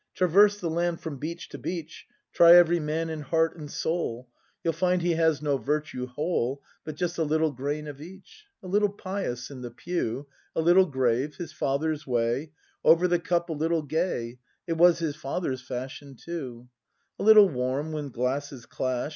Traverse the land from beach to beach. Try every man in heart and soul. You'll find he has no virtue whole. But just a little grain of each. A little pious in the pew, A little grave, — his fathers' way, — Over the cup a little gay, — It was his father's fashion too! A little warm when glasses clash.